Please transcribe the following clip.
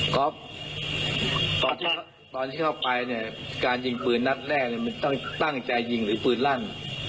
ก็ตอนที่เข้าไปเนี่ยการยิงปืนนัดแรกมันตั้งใจยิงหรือปืนลั่น